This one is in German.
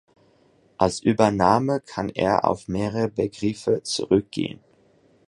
Als Übername kann er auf mehrere Begriffe zurückgehen.